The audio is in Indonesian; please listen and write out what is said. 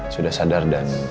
sudah sadar dan